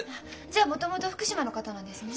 じゃあもともと福島の方なんですね。